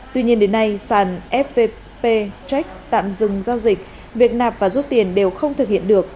tuy nhiên đến nay sàn fp check tạm dừng giao dịch việc nạp và rút tiền đều không thực hiện được